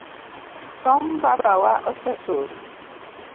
Kom baba wa osetur.